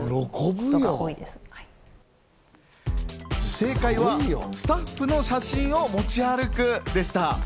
正解は、スタッフの写真を持ち歩くでした。